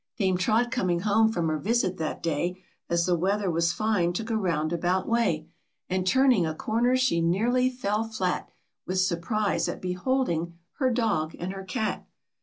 Dame Trot coming home from her visit that day, As the weather was fine took a roundabout way, And turning a corner she nearly fell flat With surprise, at beholding her dog and her cat.